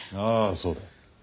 ああそうだ。